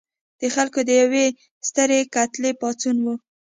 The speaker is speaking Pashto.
د خلکو د یوې سترې کتلې پاڅون و.